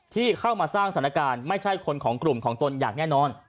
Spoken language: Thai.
ที่เข้ามาสร้างสถานการณ์ไม่ใช่คนของกลุ่มของตนอย่างแน่นอน